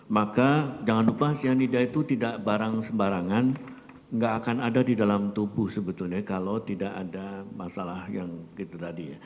maka jangan lupa cyanida itu tidak barang sembarangan nggak akan ada di dalam tubuh sebetulnya kalau tidak ada masalah yang itu tadi ya